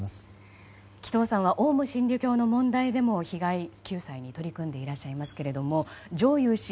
紀藤さんはオウム真理教の問題でも被害救済に取り組んでいらっしゃいますが上祐氏